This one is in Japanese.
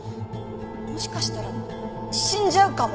もしかしたら死んじゃうかも！